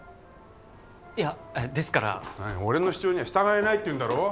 いやですから俺の主張には従えないっていうんだろ？